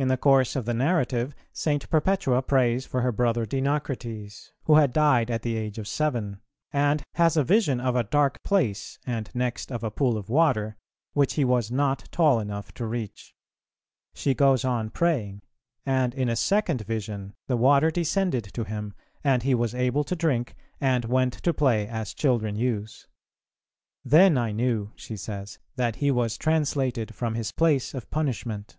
In the course of the narrative, St. Perpetua prays for her brother Dinocrates, who had died at the age of seven; and has a vision of a dark place, and next of a pool of water, which he was not tall enough to reach. She goes on praying; and in a second vision the water descended to him, and he was able to drink, and went to play as children use. "Then I knew," she says, "that he was translated from his place of punishment."